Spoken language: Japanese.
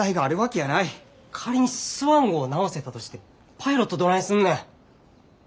仮にスワン号を直せたとしてもパイロットどないすんねん。